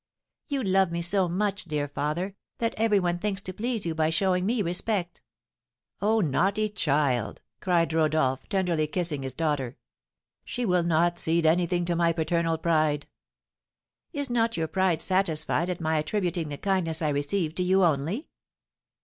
"You love me so much, dear father, that every one thinks to please you by showing me respect." "Oh, naughty child!" cried Rodolph, tenderly kissing his daughter; "she will not cede anything to my paternal pride." "Is not your pride satisfied at my attributing the kindness I receive to you only?"